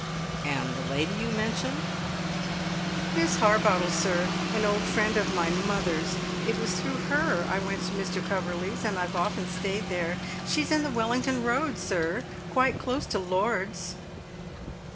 "And the lady you mentioned?" "Miss Harbottle, sir, an old friend of my mother's; it was through her I went to Mr. Coverley's, and I've often stayed there. She's in the Wellington Road, sir, quite close to Lord's."